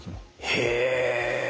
へえ！